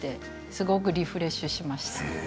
すごくリフレッシュしました。